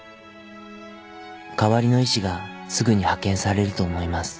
代わりの医師がすぐに派遣されると思います。